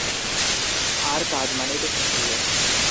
আর কাজ মানেই তো সাফল্য।